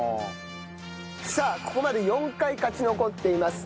ここまで４回勝ち残っています